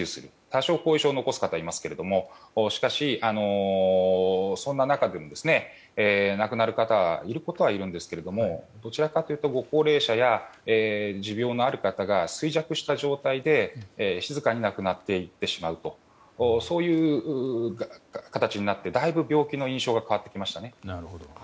多少、後遺症を残す方はいますがしかしそんな中でも亡くなる方はいることはいるんですがどちらかというとご高齢者や持病のある方が衰弱した状態で静かに亡くなっていってしまうとそういう形になってだいぶ、病気の印象が変わってきましたね。